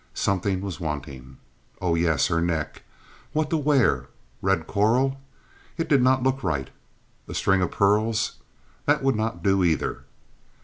Something was wanting. Oh, yes, her neck! What to wear—red coral? It did not look right. A string of pearls? That would not do either.